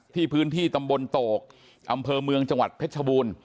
พื้นที่ตำบลโตกอำเภอเมืองจังหวัดเพชรชบูรณ์